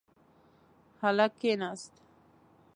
هلک کښېناست.